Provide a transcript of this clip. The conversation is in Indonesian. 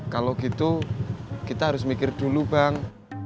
kalau gitu kita harus mikir dulu bang